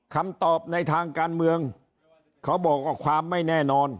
คำตอบในทางการเมืองเขาบอกว่าความไม่แน่นอน